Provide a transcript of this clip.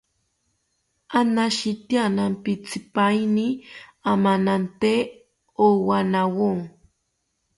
Anashitya nampitzipaini amanante owanawo